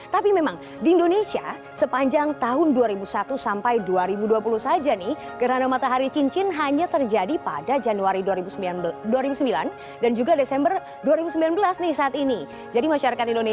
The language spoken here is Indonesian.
tapi memang di indonesia sepanjang tahun dua ribu satu sampai dua ribu dua puluh saja nih gerhana matahari cincin hanya terjadi pada januari dua ribu sembilan dan juga desember dua ribu sembilan belas nih saat ini